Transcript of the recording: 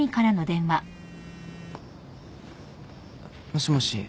もしもし。